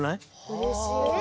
うれしい。